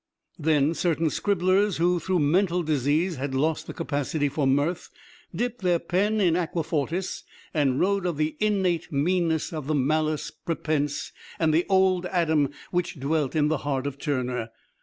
Then certain scribblers, who through mental disease had lost the capacity for mirth, dipped their pen in aqua fortis and wrote of the "innate meanness," the "malice prepense" and the "Old Adam" which dwelt in the heart of Turner.